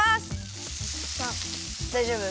だいじょうぶ？